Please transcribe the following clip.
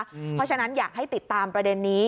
เพราะฉะนั้นอยากให้ติดตามประเด็นนี้